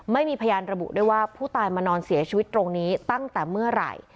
ไม่มีพยานระบุด้วยว่าผู้ตายมานอนเสียชีวิตตรงนี้ตั้งแต่เมื่อไหร่